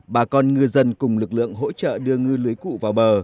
bà con ngư dân cùng lực lượng hỗ trợ đưa ngư lưới cụ vào bờ